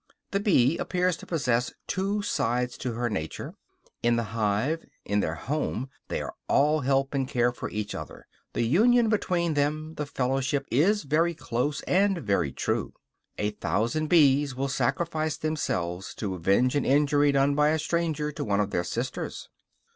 The bee appears to possess two sides to her nature; in the hive, in their home, they all help and care for each other; the union between them, the fellowship, is very close and very true. A thousand bees will sacrifice themselves to avenge an injury done by a stranger to one of their sisters.